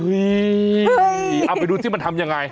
อุ้ยเอาไปดูที่มันทำยังไง